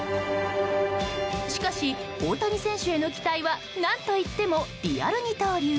しかし、大谷選手への期待は何といってもリアル二刀流。